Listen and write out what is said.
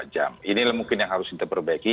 jam ini mungkin yang harus kita perbaiki